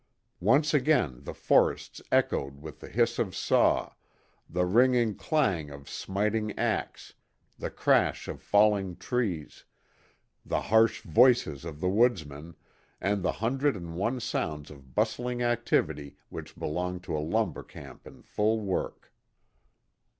Once again the forests echoed with the hiss of saw, the ringing clang of smiting axe, the crash of falling trees, the harsh voices of the woodsmen, and the hundred and one sounds of bustling activity which belong to a lumber camp in full work.